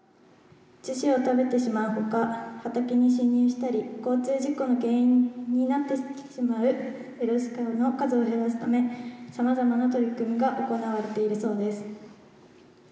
樹皮を食べてしまうほか畑に侵入したり交通事故の原因になってしまうエゾシカの数を減らすためさまざまな取り組みが行われているそうです。